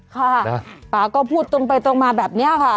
ค่ะป๋าก็พูดตรงไปตรงมาแบบเนี่ยค่ะ